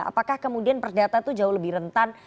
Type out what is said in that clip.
apakah kemudian perdata itu jauh lebih rentan